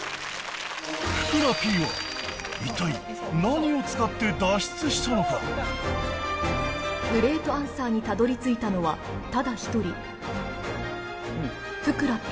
ふくらＰは一体グレートアンサーにたどりついたのはただ一人ふくらＰ！